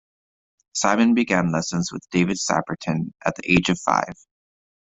Simon began lessons with David Saperton at the age of five.